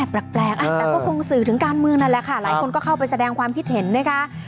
แปลกแต่ก็คงสื่อถึงการเมืองนั่นแหละค่ะหลายคนก็เข้าไปแสดงความคิดเห็นนะคะ